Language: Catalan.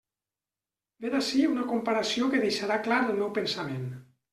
Vet ací una comparació que deixarà clar el meu pensament.